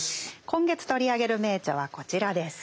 今月取り上げる名著はこちらです。